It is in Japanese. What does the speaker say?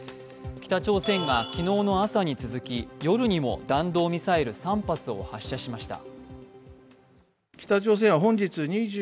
北朝鮮が昨日の朝に続き、夜にも弾道ミサイル３発を発射しました。